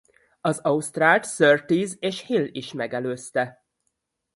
Az ausztrált Surtees és Hill is megelőzte.